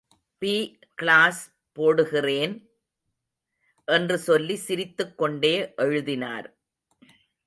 B class போடுகிறேன் என்று சொல்லி சிரித்துக் கொண்டேஎழுதினார்.